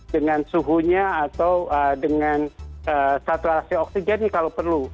dengan suhunya atau dengan saturasi oksigen nih kalau perlu